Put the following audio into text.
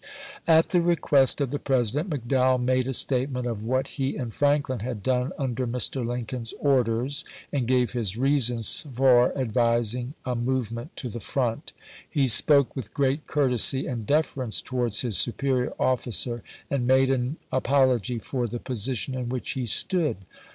At the request of the President, McDowell made a statement of what he and Franklin had done under Mr. Lincoln's orders, and gave his reasons for advising a movement to the front. He spoke with great courtesy and deference towards his superior officer, and made an apology for the posi tion in which he stood.